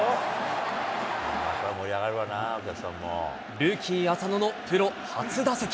ルーキー、浅野のプロ初打席。